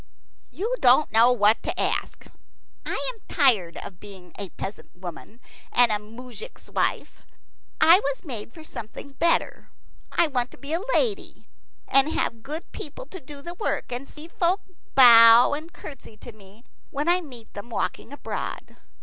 "You don't know what to ask. I am tired of being a peasant woman and a moujik's wife. I was made for something better. I want to be a lady, and have good people to do the work, and see folk bow and curtsy to me when I meet them walking abroad.